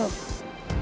vas ter ganggu